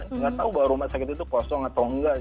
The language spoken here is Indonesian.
nggak tahu bahwa rumah sakit itu kosong atau enggak